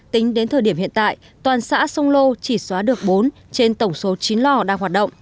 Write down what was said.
tính đến thời điểm hiện tại toàn xã sông lô chỉ xóa được bốn trên tổng số chín lò đang hoạt động